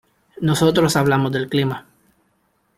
Nosotros hablamos del clima.